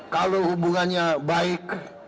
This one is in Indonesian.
kalau hubungannya baik